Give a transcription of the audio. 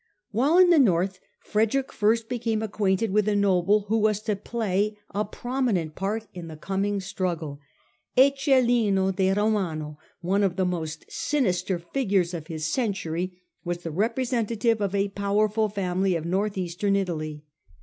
While in the North, Frederick first became acquainted with a noble who was to play a prominent part in the coming struggle. Eccelin de Romano, one of the most sinister figures of his century, was the representative of a powerful family of North eastern Italy.